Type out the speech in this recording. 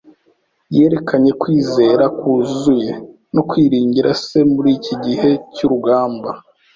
Yerekanye kwizera kuzuye no kwiringira Se muri iki gihe cy’urugamba